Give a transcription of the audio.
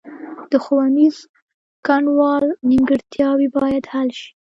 د ښوونیز غونډال نیمګړتیاوې باید حل شي